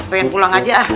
pengen pulang aja ah